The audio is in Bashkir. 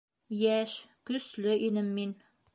Йәш, көслө инем мин.